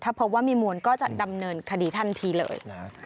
พบว่ามีมูลก็จะดำเนินคดีทันทีเลย